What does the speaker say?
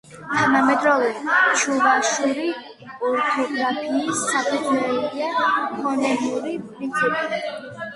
თანამედროვე ჩუვაშური ორთოგრაფიის საფუძველია ფონემური პრინციპი.